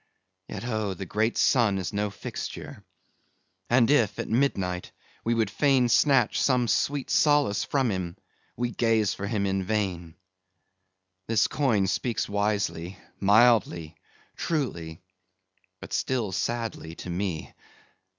Yet, oh, the great sun is no fixture; and if, at midnight, we would fain snatch some sweet solace from him, we gaze for him in vain! This coin speaks wisely, mildly, truly, but still sadly to me.